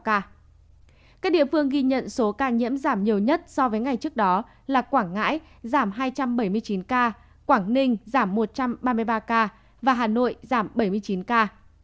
các địa phương ghi nhận số ca nhiễm giảm nhiều nhất so với ngày trước đó là quảng ngãi giảm hai trăm bảy mươi chín ca quảng ninh giảm một trăm ba mươi ba ca và hà nội giảm bảy mươi chín ca